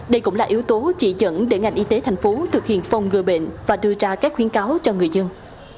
đây cũng là yếu tố chỉ dẫn để ngành y tế thành phố thực hiện phong ngừa bệnh và đưa ra các khuyến cáo cho người dân